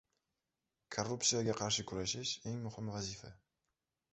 Korrupsiyaga qarshi kurashish – eng muhim vazifa